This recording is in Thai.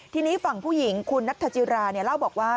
ทีนี้ฝั่งผู้หญิงคุณนัทธจิราเล่าบอกว่า